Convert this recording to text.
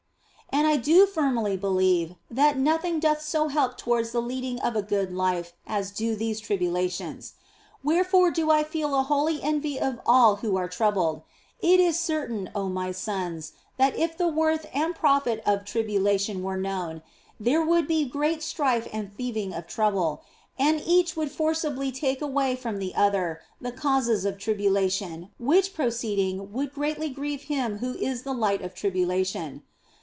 And I do firmly believe that nothing doth so help to wards the leading of a good life as do these tribulations ; wherefore do I feel an holy envy of all who are troubled. It is certain, oh my sons, that if the worth and profit of 142 THE BLESSED ANGELA tribulation were known, there would be great strife and thieving of trouble, and each would forcibly take away from the other the causes of tribulation, which proceeding would greatly grieve Him who is the light of tribulation.